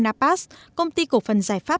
napas công ty cổ phần giải pháp